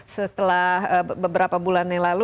setelah beberapa bulan yang lalu